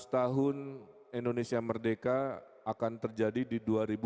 seratus tahun indonesia merdeka akan terjadi di dua ribu empat puluh lima